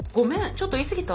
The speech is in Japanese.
ちょっと言い過ぎた？